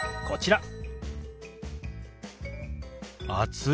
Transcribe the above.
こちら。